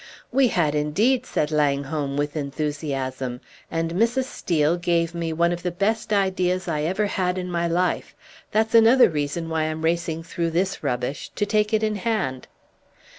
"We had, indeed!" said Langholm, with enthusiasm. "And Mrs. Steel gave me one of the best ideas I ever had in my life; that's another reason why I'm racing through this rubbish to take it in hand."